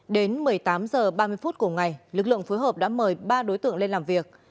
đến một mươi tám h ba mươi phút cùng ngày lực lượng phối hợp đã mời ba đối tượng lên làm việc